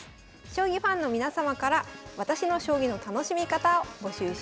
将棋ファンの皆様から「私の将棋の楽しみ方」を募集します。